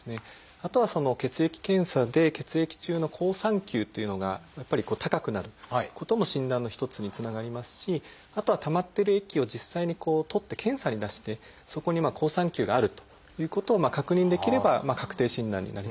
あとは血液検査で血液中の好酸球というのがやっぱり高くなることも診断の一つにつながりますしあとはたまってる液を実際に採って検査に出してそこに好酸球があるということを確認できれば確定診断になりますね。